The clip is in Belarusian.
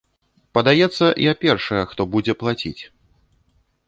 Падаецца, я першая, хто будзе плаціць.